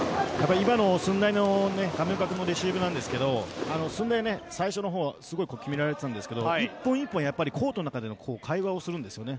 今の駿台の亀岡君のレシーブなんですが駿台は最初の方すごく決められていたんですが１本１本コートの中でも会話をするんです。